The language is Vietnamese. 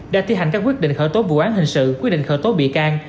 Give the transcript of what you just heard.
đã thi hành các quyết định khởi tố vụ án hình sự quyết định khởi tố bị can